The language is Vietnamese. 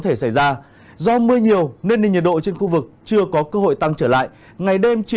thể xảy ra do mưa nhiều nên nền nhiệt độ trên khu vực chưa có cơ hội tăng trở lại ngày đêm chia